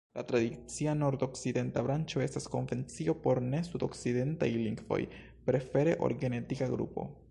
La tradicia nordokcidenta branĉo estas konvencio por ne-sudokcidentaj lingvoj, prefere ol genetika grupo.